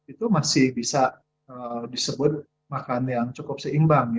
itu masih bisa disebut makan yang cukup seimbang